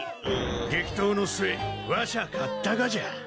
激闘の末わしは勝ったがじゃ。